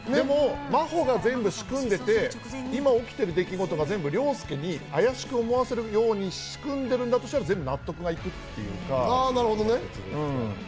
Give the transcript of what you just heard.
でも真帆が全部仕組んでて、今起きてる出来事が全部、凌介に怪しく思わせるようにしくんでいるんだとしたら、全部納得がいくっていうか。